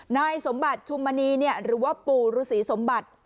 นายสมบัติชุมมณีหรือว่าปู่ฤษีสมบัติ